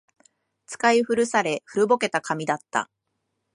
使い古され、古ぼけた紙だった